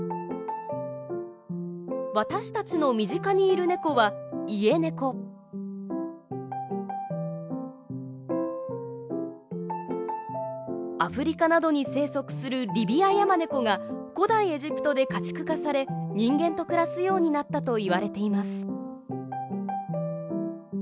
私たちの身近にいるネコはアフリカなどに生息するリビアヤマネコが古代エジプトで家畜化され人間と暮らすようになったといわれています。